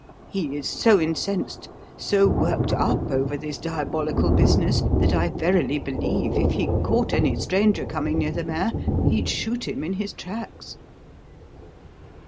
He is so incensed, so worked up over this diabolical business, that I verily believe if he caught any stranger coming near the mare he'd shoot him in his tracks."